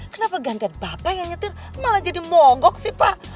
kenapa ganti bapak yang nyetir malah jadi mogok sih pak